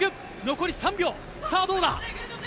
残り３秒さあ、どうだ。